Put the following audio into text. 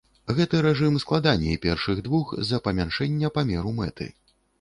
Гэты рэжым складаней першых двух з-за памяншэння памеру мэты.